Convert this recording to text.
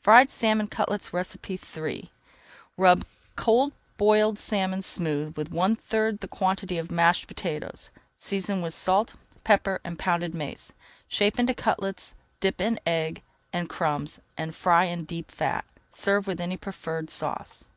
FRIED SALMON CUTLETS III Rub cold boiled salmon smooth with one third the quantity of mashed potatoes. Season with salt, pepper, and pounded mace. Shape into cutlets, dip in egg and crumbs and fry in deep fat. Serve with any preferred sauce.